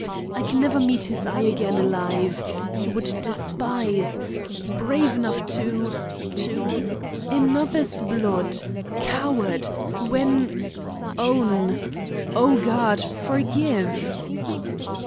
—I can never meet his eye again alive. He would despise— Brave enough to—to—another's blood—coward—when—own. Oh, God! forgive!